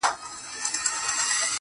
موږه سپارلي دي د ښكلو ولېمو ته زړونه.